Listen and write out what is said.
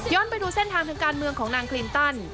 ไปดูเส้นทางทางการเมืองของนางคลินตัน